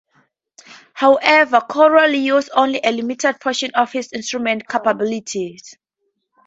However, Corelli used only a limited portion of his instrument's capabilities.